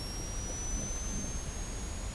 ইরফান, এখানে আস।